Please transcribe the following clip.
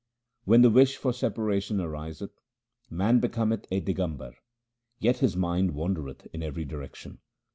When the wish for separation ariseth, man becometh a Digambar, yet his mind wandereth in every direction.